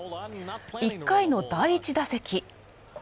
１回の第１打席。